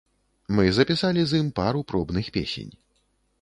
Мы запісалі з ім пару пробных песень.